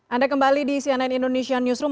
anda kembali di cnn indonesia newsroom